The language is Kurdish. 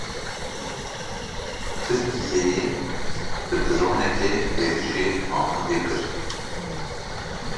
Tirkiyeyê bi dronekê êrişî Amûdê kir.